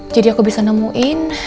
jadi aku bisa nemuin